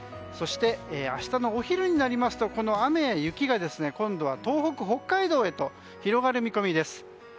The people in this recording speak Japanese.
そして明日のお昼になりますとこの雨や雪が今度は東北、北海道へ広がる見込みです。